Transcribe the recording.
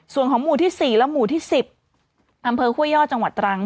ส่วนของหมู่ที่๔และหมู่ที่๑๐อำเภอห้วยยอดจังหวัดตรัง